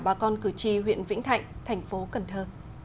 bà con cử tri huyện vĩnh thạnh thành phố cần thơ